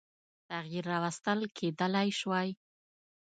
تغییر راوستل کېدلای شوای.